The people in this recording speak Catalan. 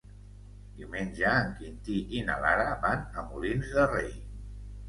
Diumenge en Quintí i na Lara van a Molins de Rei.